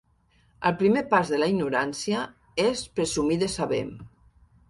El primer pas de la ignorància és presumir de saber